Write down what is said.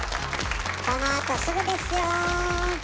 このあとすぐですよ。